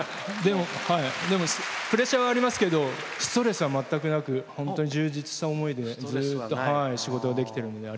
プレッシャーはありますけどストレスは全くなく本当に充実した思いで仕事ができているので。